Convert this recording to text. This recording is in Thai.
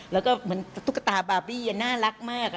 แล้วก็เหมือนตุ๊กตาบาร์บี้น่ารักมาก